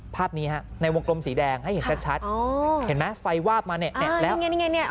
ภาพนี้ฮะในวงกลมสีแดงให้เห็นชัดเห็นมั้ยไฟวาบมาเนี่ย